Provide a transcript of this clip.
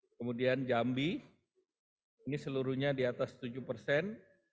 kemudian jambi ini seluruhnya di atas tujuh persen